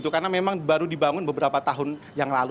karena memang baru dibangun beberapa tahun yang lalu